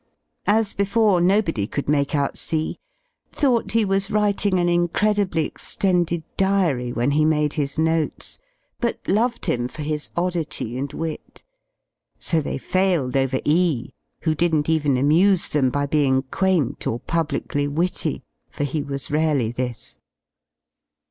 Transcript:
As before, nobody could make out C , thought he was writing an incredibly extended diary when he made his notes, but loved him for his oddity and wit; so they failed over E , who didn't even amuse them by being quaint or publicly witty, for he was rarely this.